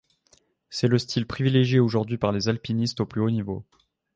C'est le style privilégié aujourd'hui par les alpinistes au plus haut niveau.